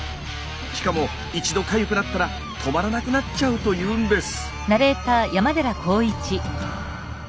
しかも一度かゆくなったら止まらなくなっちゃうというんです。